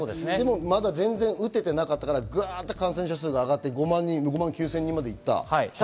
まだ全然打ててなかったから、感染者数が上がって５万９０００人まで行った。